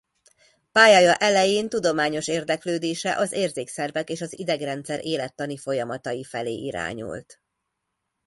Pályája elején tudományos érdeklődése az érzékszervek és az idegrendszer élettani folyamatai felé irányult.